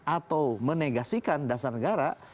atau menegasikan dasar negara